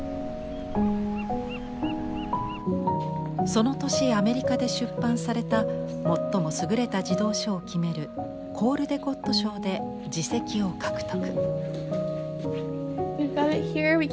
その年アメリカで出版された最も優れた児童書を決めるコールデコット賞で次席を獲得。